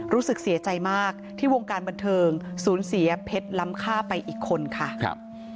รู้สึกเสียใจมากที่วงการบันเทิงสูญเสียเพชรล้ำค่าไปอีกคนค่ะครับ